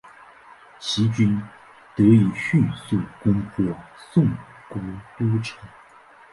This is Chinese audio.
齐军得以迅速攻破宋国都城。